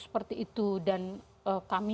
seperti itu dan kami